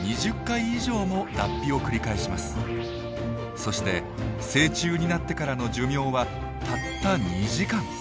そして成虫になってからの寿命はたった２時間。